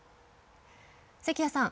関谷さん。